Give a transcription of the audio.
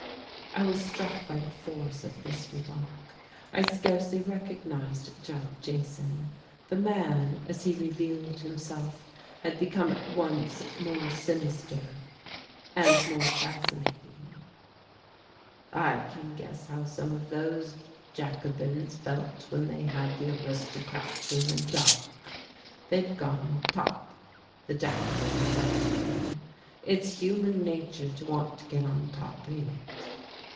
I was struck by the force of this remark. I scarcely recognized Judd Jason. The man, as he revealed himself, had become at once more sinister and more fascinating. "I can guess how some of those Jacobins felt when they had the aristocrats in the dock. They'd got on top the Jacobins, I mean. It's human nature to want to get on top ain't it?"